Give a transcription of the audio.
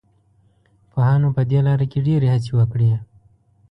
پوهانو په دې لاره کې ډېرې هڅې وکړې.